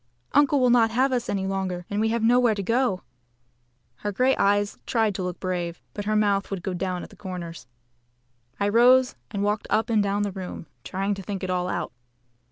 Uncle will not have us any longer, and we have nowhere to go to." Her grey eyes tried to look brave, but her mouth would go down at the corners. I rose and walked up and down the room, trying to think it all out.